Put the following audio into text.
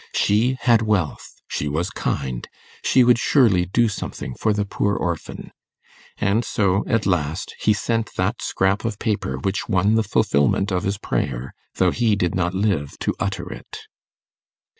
She had wealth she was kind she would surely do something for the poor orphan. And so, at last, he sent that scrap of paper which won the fulfilment of his prayer, though he did not live to utter it.